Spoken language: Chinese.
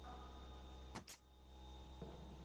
埃马勒维尔。